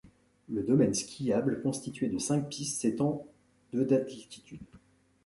Le domaine skiable constitué de cinq pistes s'étend de d'altitude.